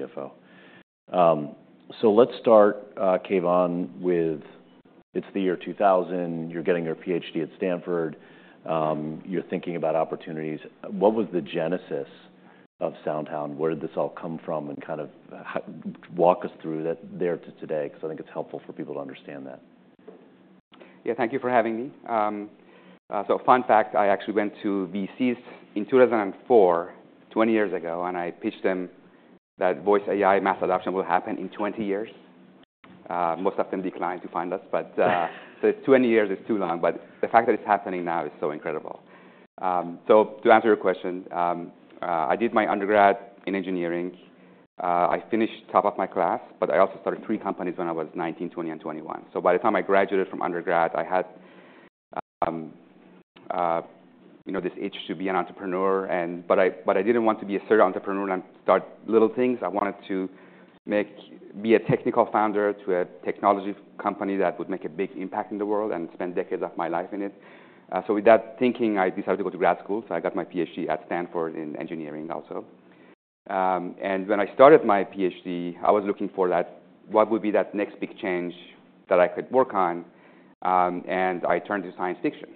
As the CFO, so let's start, Keyvan, with it's the year 2000. You're getting your Ph.D. at Stanford. You're thinking about opportunities. What was the genesis of SoundHound? Where did this all come from, and kind of walk us through that then to today? 'Cause I think it's helpful for people to understand that. Yeah. Thank you for having me. Fun fact, I actually went to VCs in 2004, 20 years ago, and I pitched them that voice AI mass adoption will happen in 20 years. Most of them declined to fund us, but so 20 years is too long. But the fact that it's happening now is so incredible. To answer your question, I did my undergrad in engineering. I finished top of my class, but I also started three companies when I was 19, 20, and 21. So by the time I graduated from undergrad, I had, you know, this itch to be an entrepreneur. And I didn't want to be a serial entrepreneur and start little things. I wanted to be a technical founder to a technology company that would make a big impact in the world and spend decades of my life in it. So with that thinking, I decided to go to grad school. So I got my PhD at Stanford in engineering also, and when I started my PhD, I was looking for that, what would be that next big change that I could work on, and I turned to science fiction.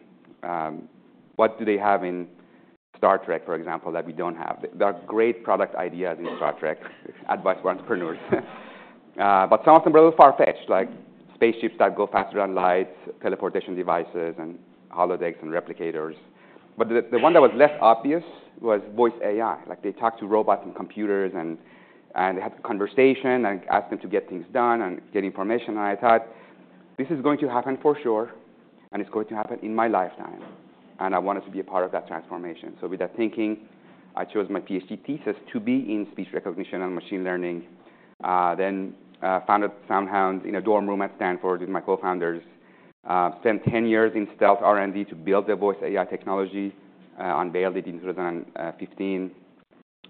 What do they have in Star Trek, for example, that we don't have? There are great product ideas in Star Trek advice for entrepreneurs, but some of them were a little far-fetched, like spaceships that go faster than light, teleportation devices, and holodecks and replicators. But the one that was less obvious was voice AI. Like they talk to robots and computers and they had conversation and ask them to get things done and get information. And I thought, this is going to happen for sure, and it's going to happen in my lifetime. And I wanted to be a part of that transformation. So with that thinking, I chose my PhD thesis to be in speech recognition and machine learning, then founded SoundHound in a dorm room at Stanford with my co-founders, spent 10 years in stealth R&D to build the voice AI technology, unveiled it in 2015.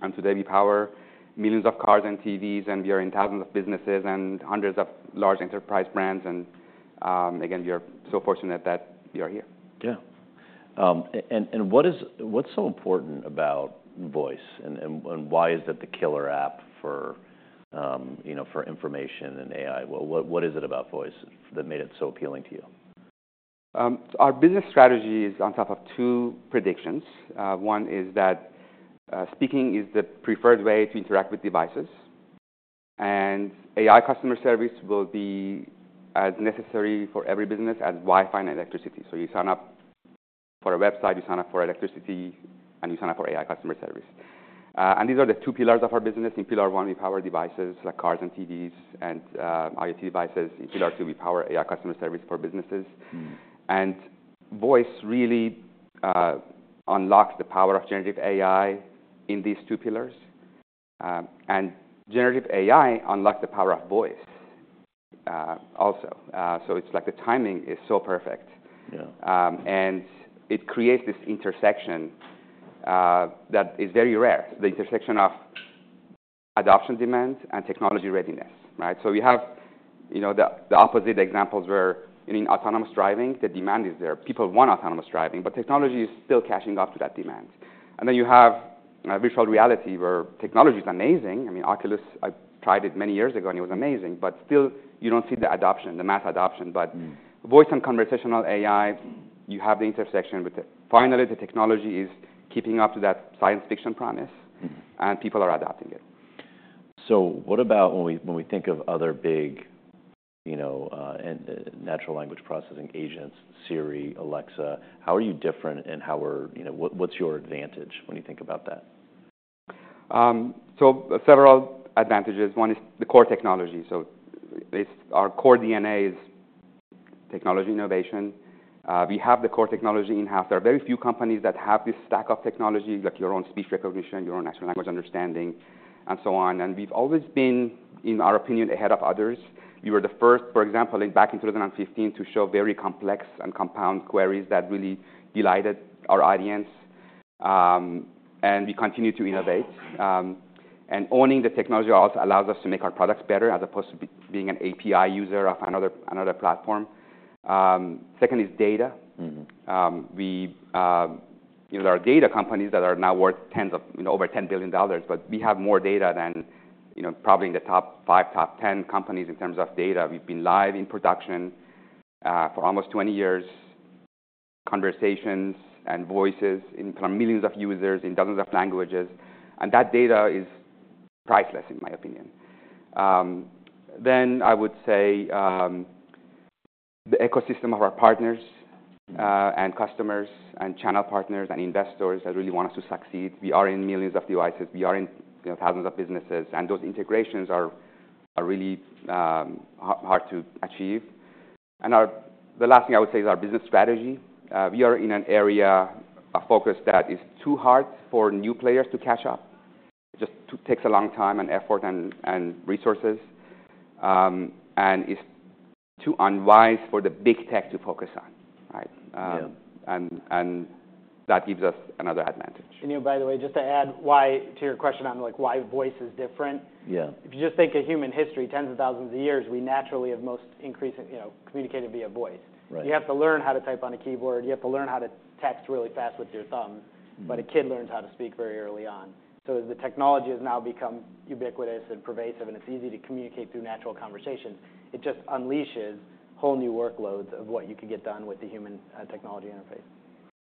And today, we power millions of cars and TVs, and we are in thousands of businesses and hundreds of large enterprise brands. And, again, we are so fortunate that we are here. Yeah, and what's so important about voice and why is that the killer app for, you know, for information and AI? What is it about voice that made it so appealing to you? Our business strategy is on top of two predictions. One is that speaking is the preferred way to interact with devices. And AI customer service will be as necessary for every business as Wi-Fi and electricity. So you sign up for a website, you sign up for electricity, and you sign up for AI customer service. And these are the two pillars of our business. In pillar one, we power devices like cars and TVs and IoT devices. In pillar two, we power AI customer service for businesses. And voice really unlocks the power of generative AI in these two pillars. And generative AI unlocks the power of voice also. So it's like the timing is so perfect. Yeah. And it creates this intersection that is very rare, the intersection of adoption demand and technology readiness, right? So we have, you know, the opposite examples where, you know, in autonomous driving, the demand is there. People want autonomous driving, but technology is still catching up to that demand. And then you have virtual reality where technology's amazing. I mean, Oculus. I tried it many years ago, and it was amazing. But still, you don't see the adoption, the mass adoption. But voice and conversational AI. You have the intersection with finally, the technology keeping up to that science fiction promise. Mm-hmm. People are adopting it. So, what about when we think of other big, you know, and natural language processing agents, Siri, Alexa? How are you different in how we're, you know, what's your advantage when you think about that? So several advantages. One is the core technology. So it's our core DNA is technology innovation. We have the core technology in-house. There are very few companies that have this stack of technology, like your own speech recognition, your own natural language understanding, and so on. And we've always been, in our opinion, ahead of others. We were the first, for example, back in 2015, to show very complex and compound queries that really delighted our audience. And we continue to innovate. And owning the technology also allows us to make our products better as opposed to being an API user of another platform. Second is data. Mm-hmm. We, you know, there are data companies that are now worth tens of, you know, over $10 billion. But we have more data than, you know, probably in the top 5, top 10 companies in terms of data. We've been live in production for almost 20 years, conversations and voices in from millions of users in dozens of languages. And that data is priceless, in my opinion, then I would say the ecosystem of our partners and customers and channel partners and investors that really want us to succeed. We are in millions of devices. We are in, you know, thousands of businesses. And those integrations are really hard to achieve. And the last thing I would say is our business strategy. We are in an area, a focus that is too hard for new players to catch up. It just takes a long time and effort and resources. It's too unwise for the Big Tech to focus on, right? Yeah. That gives us another advantage. And, you know, by the way just to add why to your question on, like, why voice is different. Yeah. If you just think of human history, tens of thousands of years, we naturally have most increasingly, you know, communicated via voice. Right. You have to learn how to type on a keyboard. You have to learn how to text really fast with your thumb. Mm-hmm. But a kid learns how to speak very early on. So as the technology has now become ubiquitous and pervasive and it's easy to communicate through natural conversations, it just unleashes whole new workloads of what you could get done with the human, technology interface.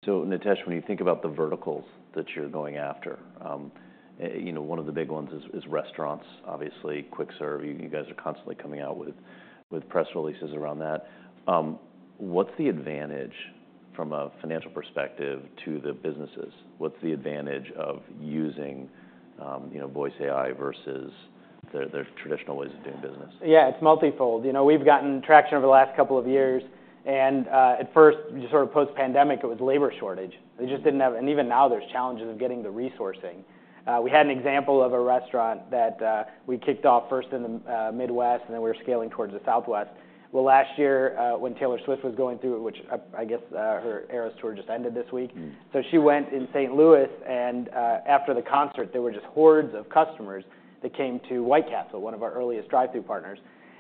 So, Nitesh, when you think about the verticals that you're going after, and you know, one of the big ones is restaurants, obviously, quick serve. You guys are constantly coming out with press releases around that. What's the advantage from a financial perspective to the businesses? What's the advantage of using, you know, voice AI versus their traditional ways of doing business? Yeah. It's multifold. You know, we've gotten traction over the last couple of years, and at first, just sort of post-pandemic, it was labor shortage. They just didn't have and even now, there's challenges of getting the resourcing. We had an example of a restaurant that we kicked off first in the Midwest, and then we were scaling towards the Southwest. Last year, when Taylor Swift was going through it, which I guess her Eras Tour just ended this week, so she went in St. Louis, and after the concert, there were just hordes of customers that came to White Castle, one of our earliest drive-through partners,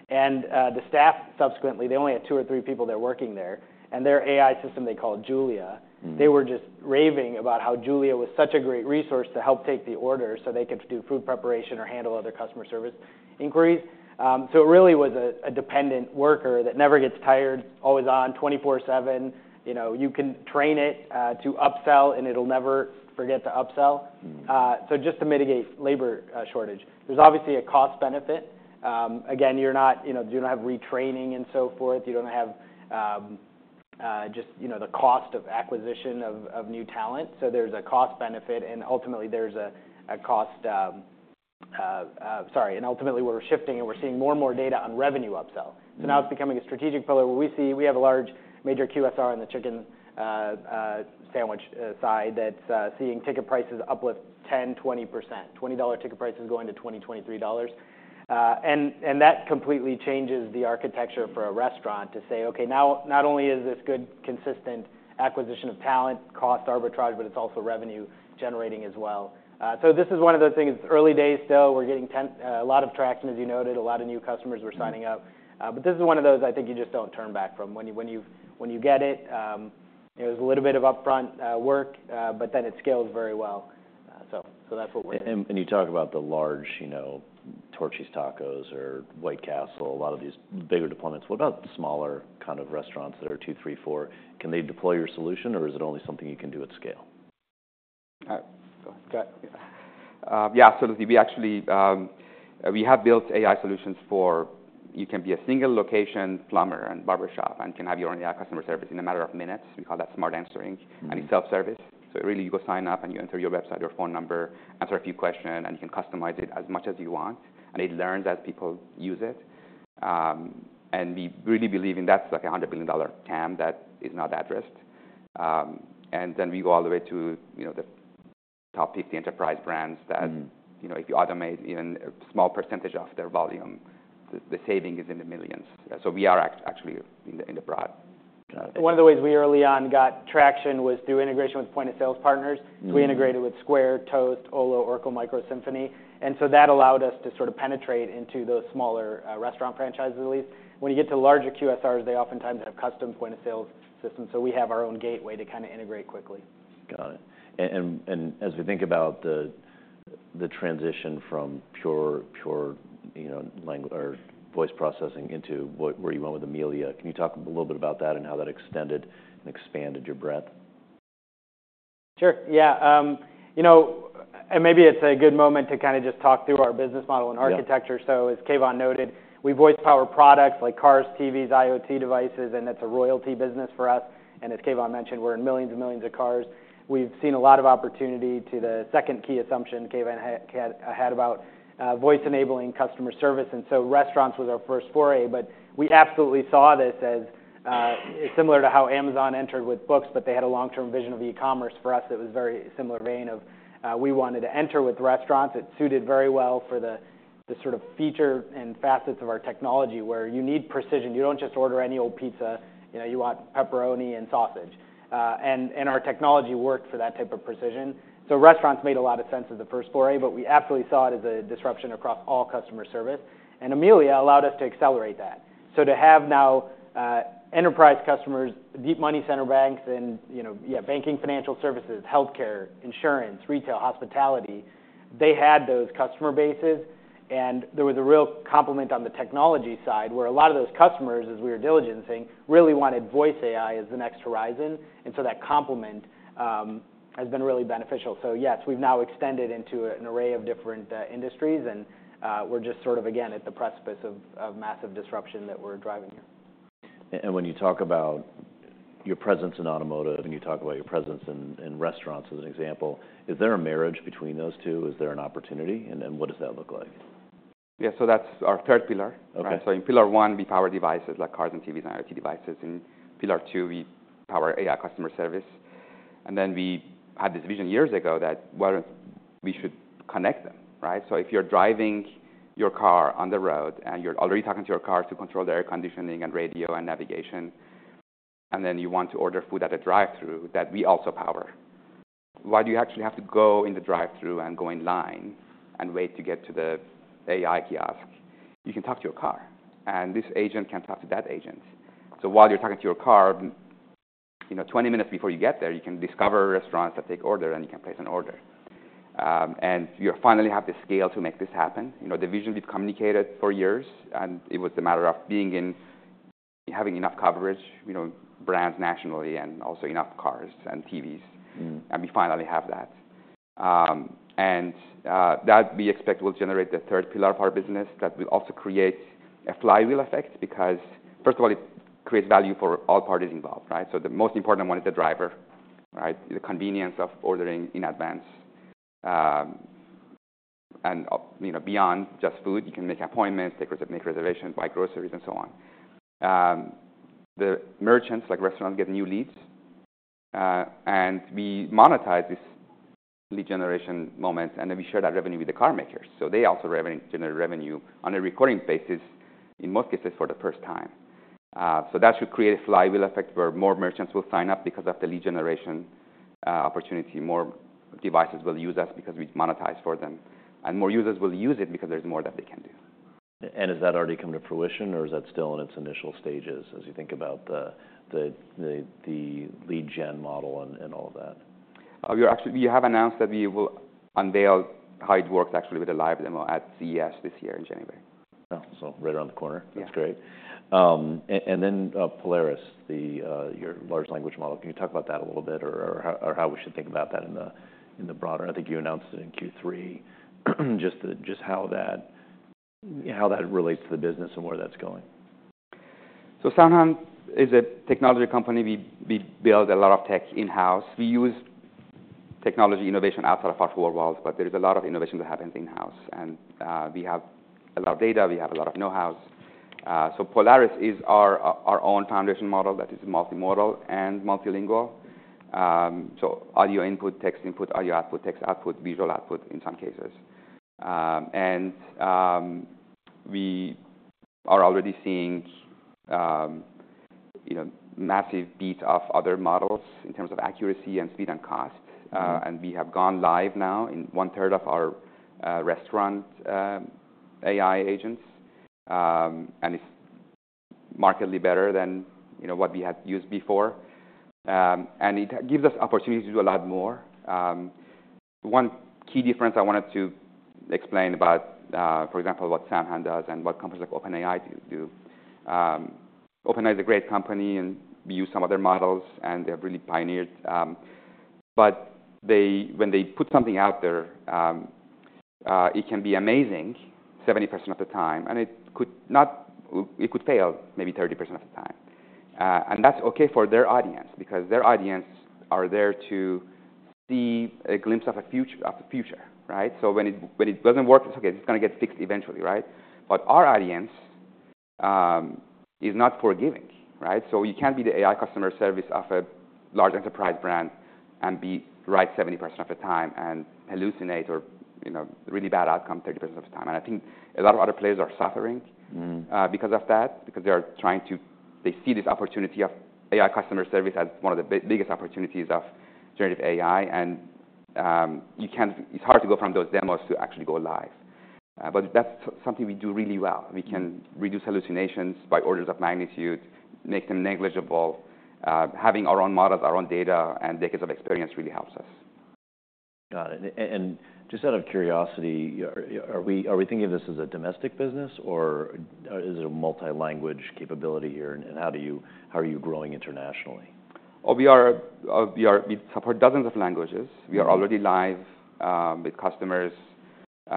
and the staff subsequently only had two or three people there working there, and their AI system they called Julia. Mm-hmm. They were just raving about how Julia was such a great resource to help take the order so they could do food preparation or handle other customer service inquiries, so it really was a, a dependent worker that never gets tired, always on 24/7. You know, you can train it to upsell, and it'll never forget to upsell, so just to mitigate labor shortage. There's obviously a cost benefit. Again, you're not, you know, you don't have retraining and so forth. You don't have just, you know, the cost of acquisition of, of new talent. So there's a cost benefit, and ultimately, there's a, a cost, sorry, and ultimately, we're shifting, and we're seeing more and more data on revenue upsell, so now it's becoming a strategic pillar. We see we have a large major QSR in the chicken sandwich side that's seeing ticket prices uplift 10% to 20%. $20 ticket prices going to $20 to 23, and that completely changes the architecture for a restaurant to say, "Okay. Now, not only is this good consistent acquisition of talent, cost arbitrage, but it's also revenue-generating as well." This is one of those things. It's early days still. We're getting 10, a lot of traction, as you noted. A lot of new customers were signing up. This is one of those I think you just don't turn back from. When you get it, there's a little bit of upfront work, but then it scales very well. That's what we're doing. And you talk about the large, you know, Torchy's Tacos or White Castle, a lot of these bigger deployments. What about smaller kind of restaurants that are two, three, four? Can they deploy your solution, or is it only something you can do at scale? Go ahead. Yeah, so we actually, we have built AI solutions for, you can be, a single location plumber and barbershop, and can have your own AI customer service in a matter of minutes. We call that Smart Answering. Mm-hmm. It's self-service. It really, you go sign up, and you enter your website, your phone number, answer a few questions, and you can customize it as much as you want. It learns as people use it. We really believe that's like a $100 billion TAM that is not addressed. Then we go all the way to, you know, the top 50 enterprise brands. You know, if you automate even a small percentage of their volume, the saving is in the millions. We are actually in the broad. One of the ways we early on got traction was through integration with point-of-sale partners. So we integrated with Square, Toast, Olo, Oracle, Micros Symphony. And so that allowed us to sort of penetrate into those smaller, restaurant franchises, at least. When you get to larger QSRs, they oftentimes have custom point-of-sale systems. So we have our own gateway to kind of integrate quickly. Got it. And as we think about the transition from pure, you know, language or voice processing into what you went with Amelia, can you talk a little bit about that and how that extended and expanded your breadth? Sure. Yeah. You know, and maybe it's a good moment to kind of just talk through our business model and architecture. Mm-hmm. As Keyvan noted, we voice power products like cars, TVs, IoT devices, and it's a royalty business for us, and as Keyvan mentioned, we're in millions and millions of cars. We've seen a lot of opportunity to the second key assumption Keyvan had about voice-enabling customer service, and so restaurants was our first foray, but we absolutely saw this as similar to how Amazon entered with books, but they had a long-term vision of e-commerce for us that was very similar vein of, we wanted to enter with restaurants. It suited very well for the sort of feature and facets of our technology where you need precision. You don't just order any old pizza. You know, you want pepperoni and sausage, and our technology worked for that type of precision. So restaurants made a lot of sense as the first foray, but we absolutely saw it as a disruption across all customer service. And Amelia allowed us to accelerate that. So to have now enterprise customers, deep money center banks and, you know, yeah, banking, financial services, healthcare, insurance, retail, hospitality, they had those customer bases. And there was a real complement on the technology side where a lot of those customers, as we were diligent in saying, really wanted voice AI as the next horizon. And so that complement has been really beneficial. So yes, we've now extended into an array of different industries. And we're just sort of, again, at the precipice of massive disruption that we're driving here. And when you talk about your presence in automotive and you talk about your presence in restaurants as an example, is there a marriage between those two? Is there an opportunity? And what does that look like? Yeah. So that's our third pillar. Okay. And so in pillar one, we power devices like cars and TVs and IoT devices. In pillar two, we power AI customer service. And then we had this vision years ago that, well, we should connect them, right? So if you're driving your car on the road and you're already talking to your car to control the air conditioning and radio and navigation, and then you want to order food at a drive-through, that we also power. Why do you actually have to go in the drive-through and go in line and wait to get to the AI kiosk? You can talk to your car, and this agent can talk to that agent. So while you're talking to your car, you know, 20 minutes before you get there, you can discover restaurants that take order, and you can place an order. And you finally have the scale to make this happen. You know, the vision we've communicated for years, and it was a matter of having enough coverage, you know, brands nationally and also enough cars and TVs. And we finally have that. That we expect will generate the third pillar of our business that will also create a flywheel effect because, first of all, it creates value for all parties involved, right? So the most important one is the driver, right? The convenience of ordering in advance. You know, beyond just food, you can make appointments, make reservations, buy groceries, and so on. The merchants, like restaurants, get new leads. We monetize this lead generation moments, and then we share that revenue with the car makers. So they also generate revenue on a recurring basis, in most cases, for the first time. So that should create a Flywheel Effect where more merchants will sign up because of the lead generation opportunity. More devices will use us because we've monetized for them, and more users will use it because there's more that they can do. And has that already come to fruition, or is that still in its initial stages as you think about the lead gen model and all of that? We have announced that we will unveil how it works actually with a live demo at CES this year in January. Oh, so right around the corner. Yeah. That's great. And then, Polaris, your large language model. Can you talk about that a little bit or how we should think about that in the broader? I think you announced it in Q3. Just how that relates to the business and where that's going. SoundHound is a technology company. We build a lot of tech in-house. We use technology innovation outside of our four walls, but there is a lot of innovation that happens in-house. We have a lot of data. We have a lot of know-how. Polaris is our own foundation model that is multimodal and multilingual. Audio input, text input, audio output, text output, visual output in some cases. We are already seeing, you know, massive beats of other models in terms of accuracy and speed and cost. Mm-hmm. And we have gone live now in one-third of our restaurant AI agents. And it's markedly better than, you know, what we had used before. And it gives us opportunity to do a lot more. One key difference I wanted to explain about, for example, what SoundHound does and what companies like OpenAI do. OpenAI is a great company, and we use some of their models, and they have really pioneered. But they, when they put something out there, it can be amazing 70% of the time, and it could fail maybe 30% of the time. And that's okay for their audience because their audience are there to see a glimpse of a future of the future, right? So when it doesn't work, it's okay. It's gonna get fixed eventually, right? But our audience is not forgiving, right? You can't be the AI customer service of a large enterprise brand and be right 70% of the time and hallucinate or, you know, really bad outcome 30% of the time. I think a lot of other players are suffering because of that, because they see this opportunity of AI customer service as one of the biggest opportunities of generative AI. You can't. It's hard to go from those demos to actually go live. That's something we do really well. We can reduce hallucinations by orders of magnitude, make them negligible. Having our own models, our own data, and decades of experience really helps us. Got it. And just out of curiosity, are we thinking of this as a domestic business, or is it a multi-language capability here? And how are you growing internationally? Oh, we support dozens of languages. We are already live with customers,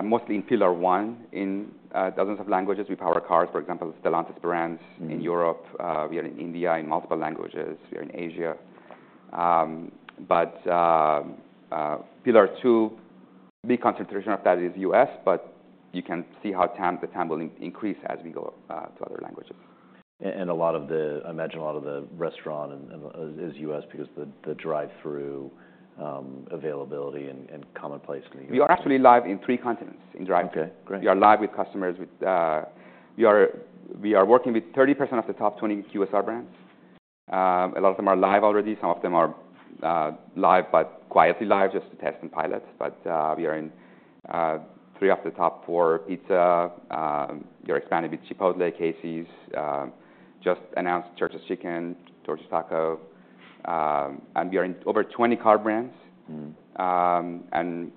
mostly in pillar one, in dozens of languages. We power cars, for example, Stellantis brands in Europe. We are in India in multiple languages. We are in Asia. But pillar two, big concentration of that is U.S., but you can see how the TAM will increase as we go to other languages. And, I imagine, a lot of the restaurant and is U.S. because the drive-through availability and commonplace. Can you go? We are actually live in three continents in drive-thru. Okay. Great. We are live with customers. We are working with 30% of the top 20 QSR brands. A lot of them are live already. Some of them are live but quietly, just to test and pilot. But we are in three of the top four pizza. We are expanding with Chipotle, Casey's, just announced Church's Chicken, Torchy's Tacos. And we are in over 20 car brands. And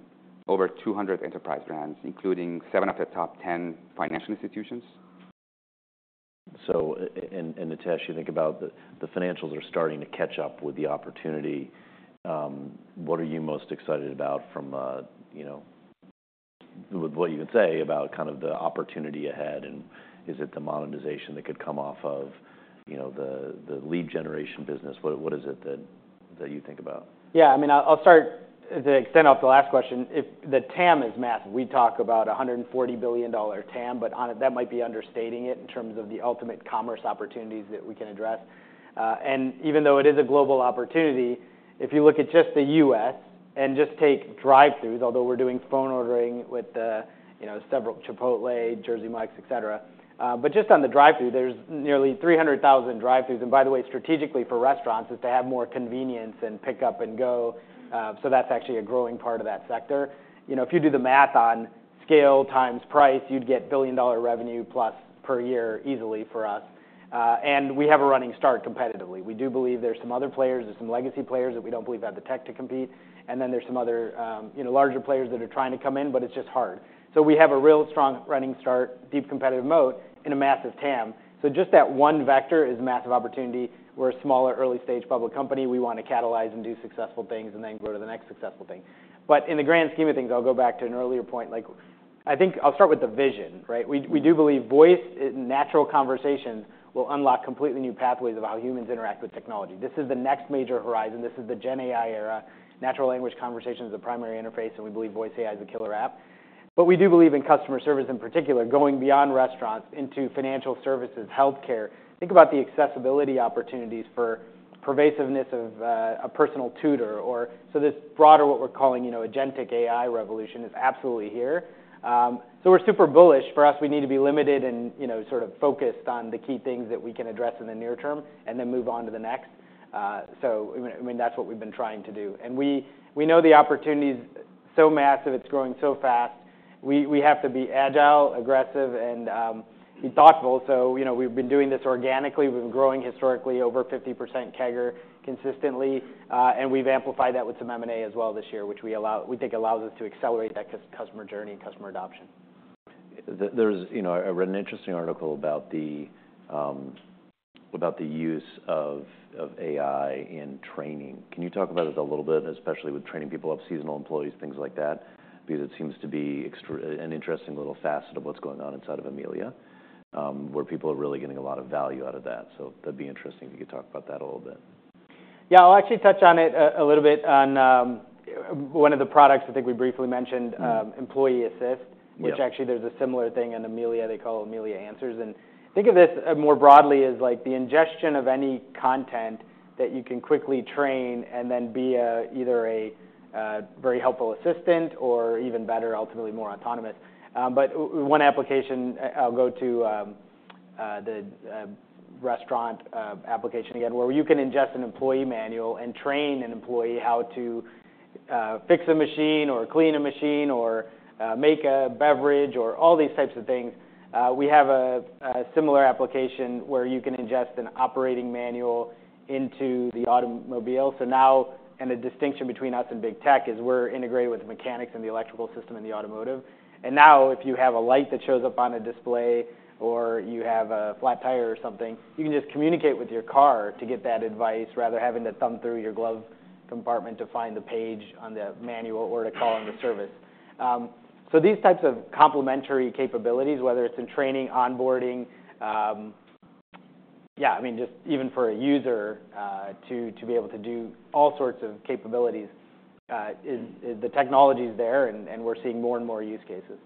over 200 enterprise brands, including 7 of the top 10 financial institutions. Nitesh, you think about the financials are starting to catch up with the opportunity. What are you most excited about from, you know, what you can say about kind of the opportunity ahead? And is it the monetization that could come off of, you know, the lead generation business? What is it that you think about? Yeah. I mean, I'll, I'll start to extend off the last question. If the TAM is massive, we talk about $140 billion TAM, but that might be understating it in terms of the ultimate commerce opportunities that we can address. Even though it is a global opportunity, if you look at just the U.S. and just take drive-throughs, although we're doing phone ordering with, you know, several Chipotle, Jersey Mike's, etc., but just on the drive-through, there's nearly 300,000 drive-throughs. And by the way, strategically for restaurants is to have more convenience and pick up and go. That's actually a growing part of that sector. You know, if you do the math on scale times price, you'd get billion-dollar revenue plus per year easily for us. We have a running start competitively. We do believe there's some other players. There's some legacy players that we don't believe have the tech to compete. And then there's some other, you know, larger players that are trying to come in, but it's just hard. So we have a real strong running start, deep competitive moat in a massive TAM. So just that one vector is a massive opportunity. We're a smaller, early-stage public company. We want to catalyze and do successful things and then grow to the next successful thing. But in the grand scheme of things, I'll go back to an earlier point. Like, I think I'll start with the vision, right? We do believe voice and natural conversations will unlock completely new pathways of how humans interact with technology. This is the next major horizon. This is the Gen AI era. Natural language conversation is the primary interface, and we believe voice AI is a killer app. But we do believe in customer service in particular, going beyond restaurants into financial services, healthcare. Think about the accessibility opportunities for pervasiveness of a personal tutor or so. This broader what we're calling, you know, agentic AI revolution is absolutely here, so we're super bullish. For us, we need to be limited and, you know, sort of focused on the key things that we can address in the near term and then move on to the next, so I mean, I mean, that's what we've been trying to do. And we, we know the opportunity's so massive. It's growing so fast. We, we have to be agile, aggressive, and be thoughtful. So, you know, we've been doing this organically. We've been growing historically over 50% CAGR consistently. And we've amplified that with some M&A as well this year, which we think allows us to accelerate that customer journey and customer adoption. There's, you know, I read an interesting article about the use of AI in training. Can you talk about it a little bit, especially with training people up, seasonal employees, things like that? Because it seems to be an extra interesting little facet of what's going on inside of Amelia, where people are really getting a lot of value out of that. So that'd be interesting if you could talk about that a little bit. Yeah. I'll actually touch on it a little bit on one of the products I think we briefly mentioned, Employee Assist. Yeah. Which actually there's a similar thing in Amelia. They call it Amelia Answers. And think of this more broadly as like the ingestion of any content that you can quickly train and then be either a very helpful assistant or even better, ultimately more autonomous. But one application I'll go to, the restaurant application again where you can ingest an employee manual and train an employee how to fix a machine or clean a machine or make a beverage or all these types of things. We have a similar application where you can ingest an operating manual into the automobile. So now, and the distinction between us and big tech is we're integrated with mechanics and the electrical system in the automotive. Now, if you have a light that shows up on a display or you have a flat tire or something, you can just communicate with your car to get that advice rather than having to thumb through your glove compartment to find the page on the manual or to call on the service. So these types of complementary capabilities, whether it's in training, onboarding, yeah, I mean, just even for a user, to be able to do all sorts of capabilities, is the technology's there, and we're seeing more and more use cases.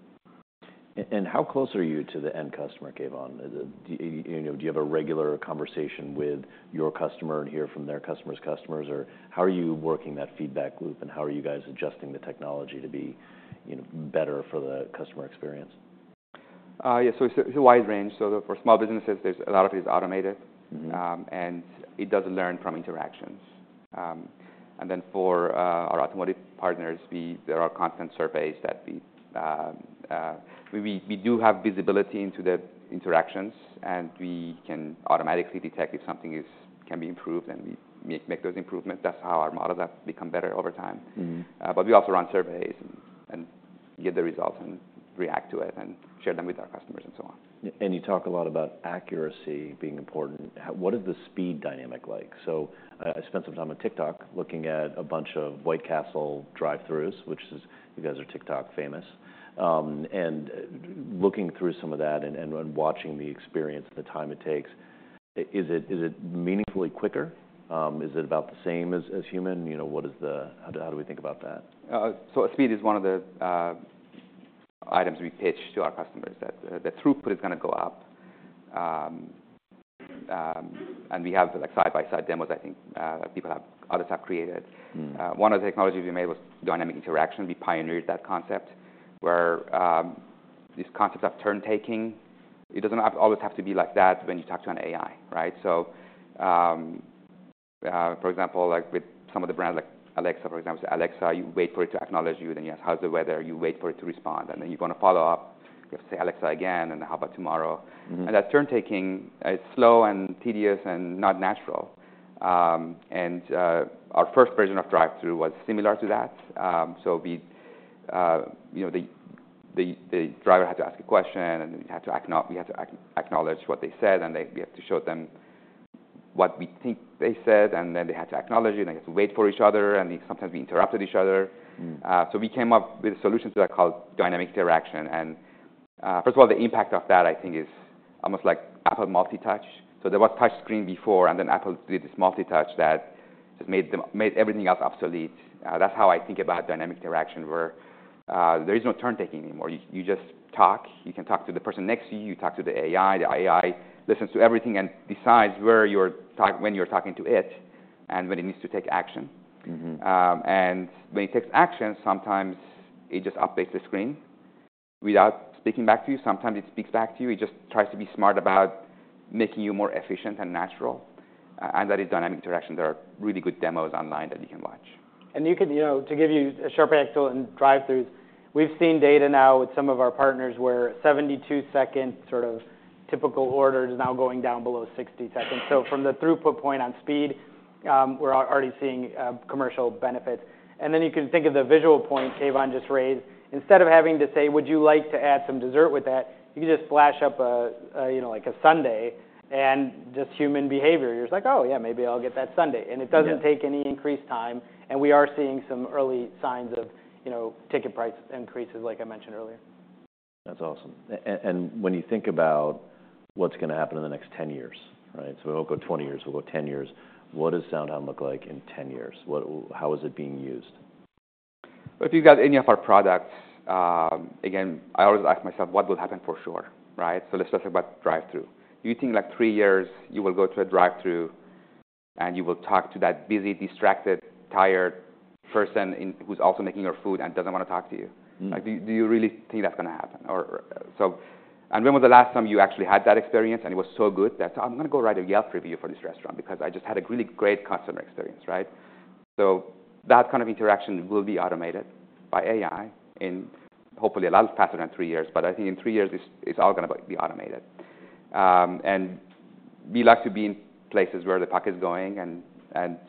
And how close are you to the end customer, Keyvan? Do you know, do you have a regular conversation with your customer and hear from their customer's customers? Or how are you working that feedback loop, and how are you guys adjusting the technology to be, you know, better for the customer experience? Yeah. So it's a wide range. So for small businesses, there's a lot of it is automated. Mm-hmm. It does learn from interactions. Then, for our automotive partners, there are constant surveys that we do have visibility into the interactions, and we can automatically detect if something can be improved, and we make those improvements. That's how our models have become better over time. Mm-hmm. But we also run surveys and get the results and react to it and share them with our customers and so on. And you talk a lot about accuracy being important. How, what is the speed dynamic like? So I spent some time on TikTok looking at a bunch of White Castle drive-throughs, which you guys are TikTok famous, and looking through some of that and watching the experience and the time it takes. Is it meaningfully quicker? Is it about the same as human? You know, what is the how do we think about that? So speed is one of the items we pitch to our customers that the throughput is gonna go up. And we have like side-by-side demos, I think, that others have created. One of the technologies we made was Dynamic Interaction. We pioneered that concept where this concept of turn-taking, it doesn't always have to be like that when you talk to an AI, right? So, for example, like with some of the brands like Alexa, for example, so Alexa, you wait for it to acknowledge you, then you ask, "How's the weather?" You wait for it to respond, and then you're gonna follow up. You have to say, "Alexa, again," and then, "How about tomorrow? Mm-hmm. That turn-taking is slow and tedious and not natural. Our first version of drive-through was similar to that. We, you know, the driver had to ask a question, and we had to acknowledge what they said, and we had to show them what we think they said, and then they had to acknowledge it, and they had to wait for each other, and sometimes we interrupted each other. We came up with a solution to that called Dynamic Interaction. First of all, the impact of that, I think, is almost like Apple's multi-touch. There was touchscreen before, and then Apple did this multi-touch that just made everything else obsolete. That's how I think about Dynamic Interaction where there is no turn-taking anymore. You just talk. You can talk to the person next to you. You talk to the AI. The AI listens to everything and decides where you're at when you're talking to it and when it needs to take action. Mm-hmm. And when it takes action, sometimes it just updates the screen without speaking back to you. Sometimes it speaks back to you. It just tries to be smart about making you more efficient and natural. And that is Dynamic Interaction. There are really good demos online that you can watch. And you can, you know, to give you a sharp example in drive-throughs, we've seen data now with some of our partners where 72-second sort of typical order is now going down below 60 seconds. So from the throughput point on speed, we're already seeing commercial benefits. And then you can think of the visual point Keyvan just raised. Instead of having to say, "Would you like to add some dessert with that?" you can just flash up a you know like a sundae and just human behavior. You're just like, "Oh, yeah. Maybe I'll get that sundae." And it doesn't take any increased time. And we are seeing some early signs of, you know, ticket price increases like I mentioned earlier. That's awesome. And when you think about what's gonna happen in the next 10 years, right? So we won't go 20 years. We'll go 10 years. What does SoundHound look like in 10 years? What, how is it being used? If you've got any of our products, again, I always ask myself, "What will happen for sure?" Right? Let's just talk about drive-through. Do you think like three years you will go to a drive-through and you will talk to that busy, distracted, tired person who's also making your food and doesn't wanna talk to you? Like, do you really think that's gonna happen? Or so and when was the last time you actually had that experience? And it was so good that, "I'm gonna go write a Yelp review for this restaurant because I just had a really great customer experience," right? So that kind of interaction will be automated by AI in hopefully a lot faster than three years. But I think in three years, it's all gonna be automated. We like to be in places where the puck is going, and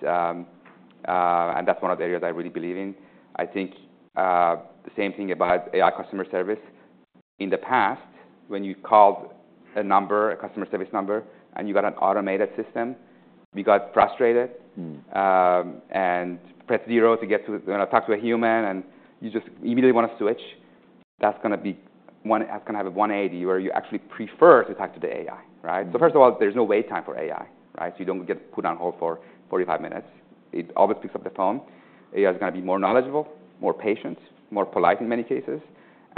that's one of the areas I really believe in. I think the same thing about AI customer service. In the past, when you called a number, a customer service number, and you got an automated system, you got frustrated and pressed zero to get to, you know, talk to a human, and you just immediately wanna switch. That's gonna be one that's gonna have a 180 where you actually prefer to talk to the AI, right? So first of all, there's no wait time for AI, right? So you don't get put on hold for 45 minutes. It always picks up the phone. AI's gonna be more knowledgeable, more patient, more polite in many cases,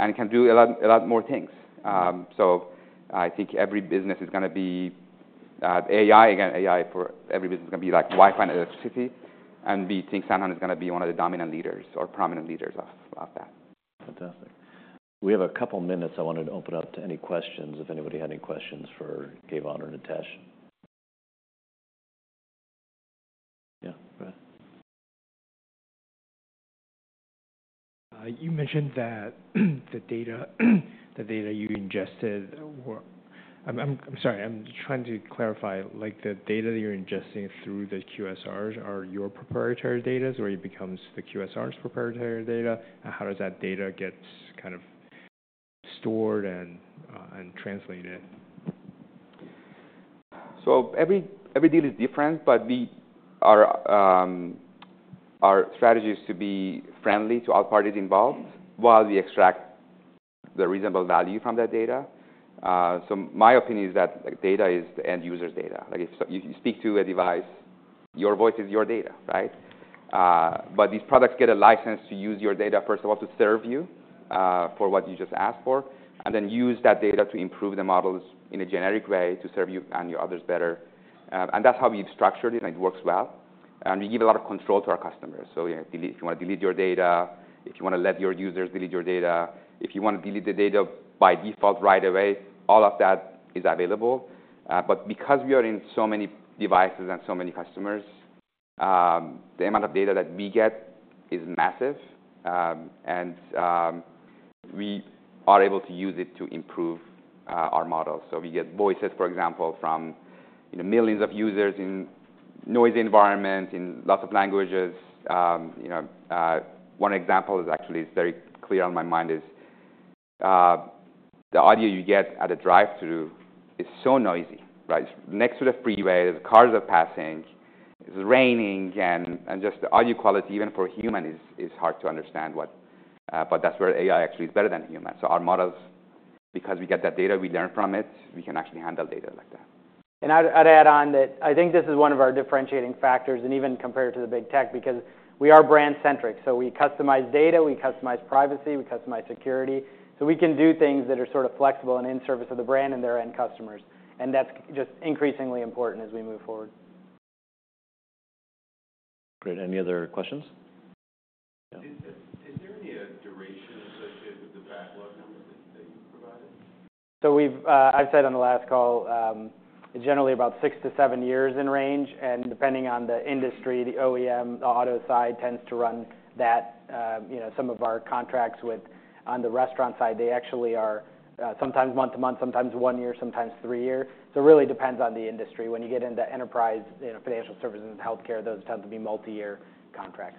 and can do a lot, a lot more things. So I think every business is gonna be AI again. AI for every business is gonna be like Wi-Fi and electricity. And we think SoundHound is gonna be one of the dominant leaders or prominent leaders of that. Fantastic. We have a couple minutes. I wanted to open up to any questions if anybody had any questions for Keyvan or Nitesh. Yeah. Go ahead. You mentioned that the data you ingested were. I'm sorry. I'm trying to clarify. Like, the data that you're ingesting through the QSRs are your proprietary data, or it becomes the QSR's proprietary data? How does that data get kind of stored and translated? Every deal is different, but our strategy is to be friendly to all parties involved while we extract the reasonable value from that data. My opinion is that data is the end user's data. Like, if you speak to a device, your voice is your data, right? These products get a license to use your data, first of all, to serve you, for what you just asked for, and then use that data to improve the models in a generic way to serve you and your others better. That's how we've structured it, and it works well. We give a lot of control to our customers. If you wanna delete your data, if you wanna let your users delete your data, if you wanna delete the data by default right away, all of that is available. But because we are in so many devices and so many customers, the amount of data that we get is massive and we are able to use it to improve our models. So we get voices, for example, from, you know, millions of users in noisy environments in lots of languages. You know, one example is actually very clear on my mind is the audio you get at a drive-through is so noisy, right? It's next to the freeway. The cars are passing. It's raining and just the audio quality, even for a human, is hard to understand what, but that's where AI actually is better than human. So our models, because we get that data, we learn from it. We can actually handle data like that. I'd add on that I think this is one of our differentiating factors and even compared to the big tech because we are brand-centric, so we customize data. We customize privacy. We customize security, so we can do things that are sort of flexible and in service of the brand and their end customers, and that's just increasingly important as we move forward. Great. Any other questions? Is there any duration associated with the backlog numbers that you provided? I've said on the last call, it's generally about six to seven years in range. Depending on the industry, the OEM, the auto side tends to run that, you know. Some of our contracts on the restaurant side, they actually are sometimes month to month, sometimes one year, sometimes three year. It really depends on the industry. When you get into enterprise, you know, financial services, healthcare, those tend to be multi-year contracts.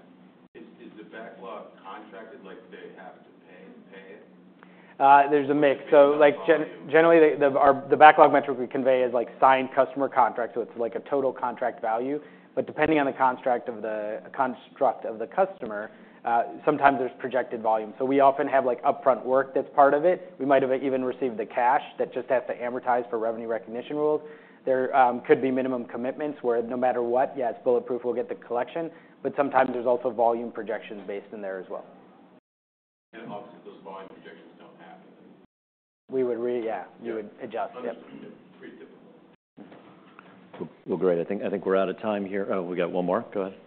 Is the backlog contracted? Like, they have to pay it? There's a mix. So like generally, the backlog metric we convey is like signed customer contracts. So it's like a total contract value. But depending on the construct of the customer, sometimes there's projected volume. So we often have like upfront work that's part of it. We might have even received the cash that just has to amortize for revenue recognition rules. There could be minimum commitments where no matter what, yeah, it's bulletproof. We'll get the collection. But sometimes there's also volume projections based in there as well. Obviously, those volume projections don't happen. We would, yeah. You would adjust. Absolutely. Pretty typical. Great. I think we're out of time here. Oh, we got one more. Go ahead.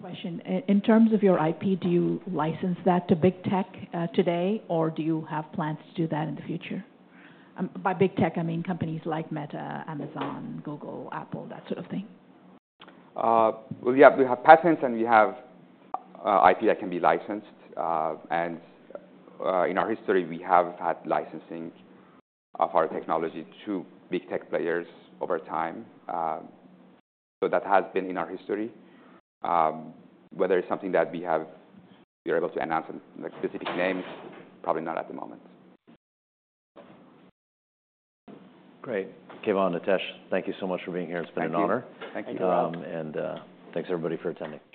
Yeah. Yeah. This is a question. In terms of your IP, do you license that to big tech, today, or do you have plans to do that in the future? By big tech, I mean companies like Meta, Amazon, Google, Apple, that sort of thing. Well, yeah. We have patents, and we have IP that can be licensed. In our history, we have had licensing of our technology to big tech players over time. That has been in our history. Whether it's something that we have, we're able to announce in like specific names, probably not at the moment. Great. Keyvan, Nitesh, thank you so much for being here. It's been an honor. Thank you. Thank you. And, thanks everybody for attending. Thanks.